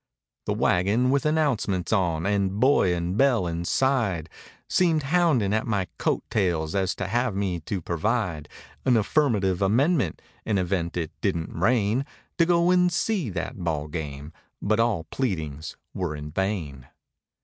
The wagon with announcements on and boy and bell inside Seemed hounding at my coat tails as to have me to provide An affirmative amendment, "in event it didn't rain," To go and see that ball game—but all pleadings were in vain.